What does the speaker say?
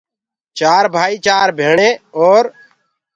چار ڀائيٚ، چآر ڀيڻي اور